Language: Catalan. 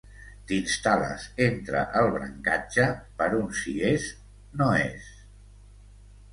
T'instal·les entre el brancatge per un si és no és.